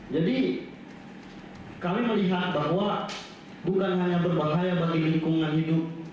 jadi kami melihat bahwa bukan hanya berbahaya bagi lingkungan hidup